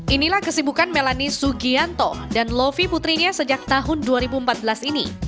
inilah kesibukan melani sugianto dan lovi putrinya sejak tahun dua ribu empat belas ini